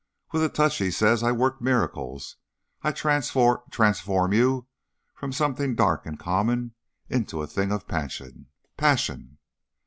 'With a touch,' he says, 'I work miracles. I transfer transform you from something dark an' an' common into a thing of passion.' _Passion!